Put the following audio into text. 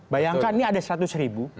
bayangkan ini ada seratus ribu